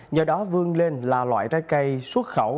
nhờ đó vươn lên là loại trái cây xuất khẩu